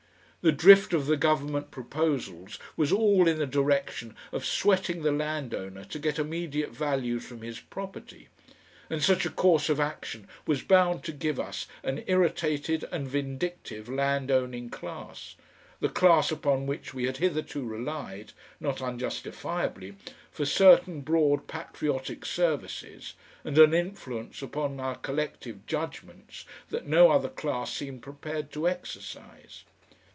The drift of the government proposals was all in the direction of sweating the landowner to get immediate values from his property, and such a course of action was bound to give us an irritated and vindictive land owning class, the class upon which we had hitherto relied not unjustifiably for certain broad, patriotic services and an influence upon our collective judgments that no other class seemed prepared to exercise.